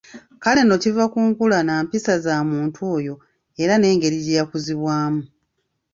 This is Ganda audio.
Kale nno kiva ku nkula nampisa za muntu oyo era n'engeri gye yakuzibwamu.